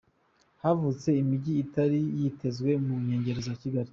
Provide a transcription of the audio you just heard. Havutse imijyi itari yitezwe mu nkengero za Kigali.